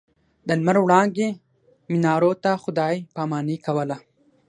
د لمر وړانګې منارو ته خداې پا ماني کوله.